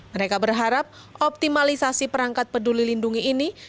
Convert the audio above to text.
mereka berharap optimalisasi perangkat peduli lindungi ini